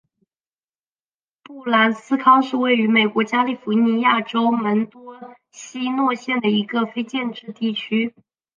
布兰斯康是位于美国加利福尼亚州门多西诺县的一个非建制地区。